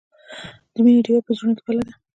د مینې ډیوه یې په زړونو کې بله ده.